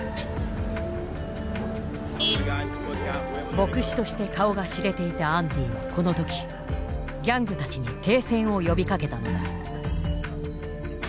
牧師として顔が知れていたアンディはこの時ギャングたちに停戦を呼びかけたのだ。